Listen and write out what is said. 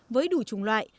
với đủ trùng loại